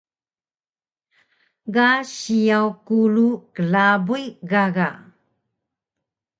Ga siyaw kulu klabuy gaga